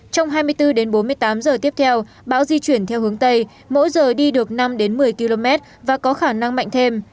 trong hai mươi bốn đến bốn mươi tám giờ tiếp theo bão di chuyển theo hướng tây mỗi giờ đi được năm đến một mươi km và có khả năng mạnh thêm